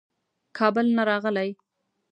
کابل نه راغلی.